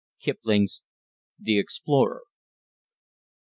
Kipling's "The Explorer."